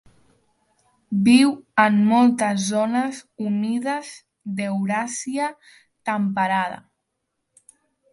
Viu en moltes zones humides d'Euràsia temperada.